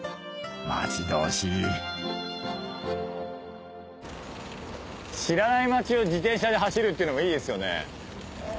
待ち遠しい知らない街を自転車で走るってのもいいですよね。